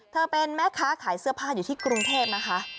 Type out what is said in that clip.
เป็นแม่ค้าขายเสื้อผ้าอยู่ที่กรุงเทพนะคะ